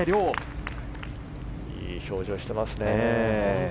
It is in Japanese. いい表情してますね。